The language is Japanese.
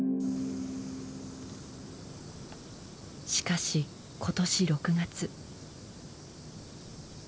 しかし今年６月。